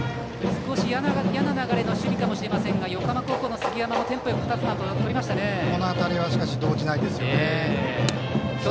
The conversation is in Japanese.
少し嫌な流れの守備かもしれませんが横浜高校の杉山もテンポよくこの辺りは動じないですね。